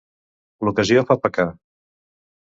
L'ocasió fa pecar.